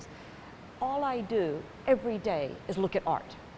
semua yang saya lakukan setiap hari adalah melihat seni